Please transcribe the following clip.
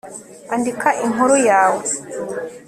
andika inkuru yawe